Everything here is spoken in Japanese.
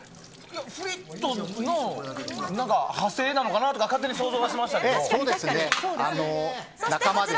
フリットの何か派生なのかなとかって勝手に想像はしましたけど。